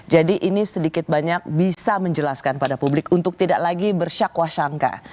jadi ini sedikit banyak bisa menjelaskan pada publik untuk tidak lagi bersyakwa syangka